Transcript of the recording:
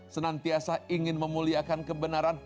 senantiasa ingin memuliakan kebenaran